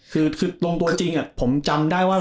คือลงตัวจริงผมจำได้ว่า